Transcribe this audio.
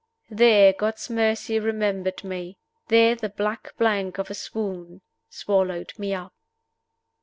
There, God's mercy remembered me. There the black blank of a swoon swallowed me up.